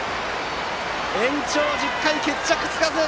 延長１０回、決着つかず！